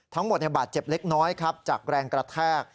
ทั้งหมดบาดเจ็บเล็กน้อยครับจากแรงกระแทก